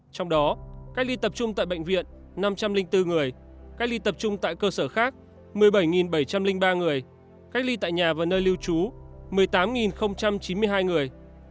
trong đó cách ly tập trung tại bệnh viện năm trăm linh bốn người cách ly tập trung tại cơ sở khác một mươi bảy bảy trăm linh ba người cách ly tại nhà và nơi lưu trú một mươi tám chín mươi hai người